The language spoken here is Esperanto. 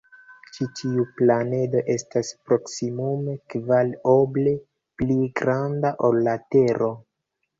Ĉi tiu planedo estas proksimume kvar oble pli granda ol la Tero.